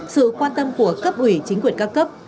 sự quan tâm của cấp ủy chính quyền các cấp